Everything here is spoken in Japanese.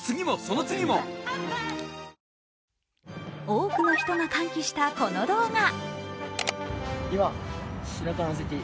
多くの人が歓喜したこの動画。